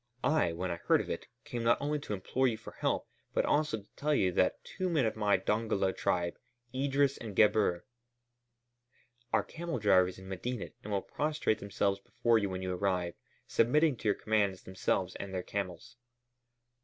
I, when I heard of it, came not only to implore you for help, but also to tell you that two men of my Dongola tribe, Idris and Gebhr, are camel drivers in Medinet and will prostrate themselves before you when you arrive, submitting to your commands themselves and their camels."